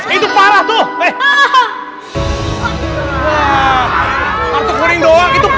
itu parah tuh